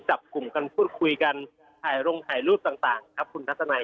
จับกลุ่มกันพูดคุยกันถ่ายลงถ่ายรูปต่างครับคุณทัศนัย